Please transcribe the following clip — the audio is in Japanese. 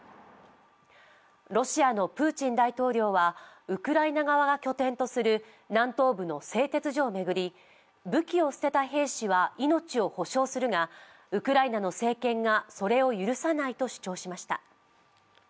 ロシアのプーチン大統領は、ウクライナ側が拠点とする南東部の製鉄所を巡り武器を捨てた兵士は命を保証するが、ウクライナの政権がそれを許さないと主張しました。